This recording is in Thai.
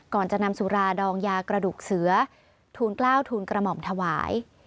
ก่อนจะนำสุราดองยากระดูกเสือทูลกล้าวทูลกระหม่อมถวาย